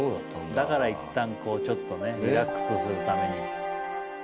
だから一旦ちょっとねリラックスするために。